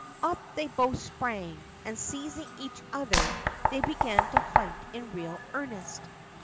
Up they both sprang, and seizing each other, they began to fight in real earnest.